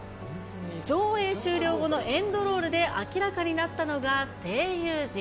上映終了後のエンドロールで明らかになったのが、声優陣。